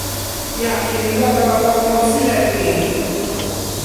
jaki li lon ala lon monsi len mi?